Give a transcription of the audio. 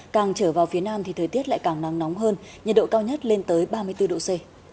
càng trở vào phía nam thì thời tiết lại càng nắng nóng hơn nhiệt độ cao nhất lên tới ba mươi bốn độ c